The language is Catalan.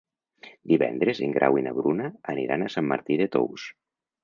Divendres en Grau i na Bruna aniran a Sant Martí de Tous.